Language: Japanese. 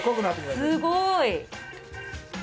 すごい。